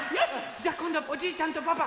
じゃあこんどはおじいちゃんとパパ！